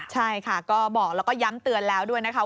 ใช่ค่ะก็บอกแล้วก็ย้ำเตือนแล้วด้วยนะคะ